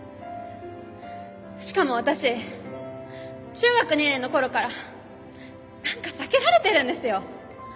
しかも私中学２年の頃から何か避けられてるんですよ。